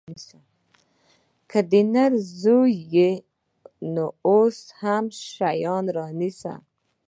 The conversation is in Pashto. که د نر زوى يې نو اوس هم شيان رانيسه.